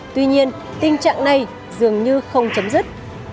tuy nhiên tình trạng này dường như không chấm dứt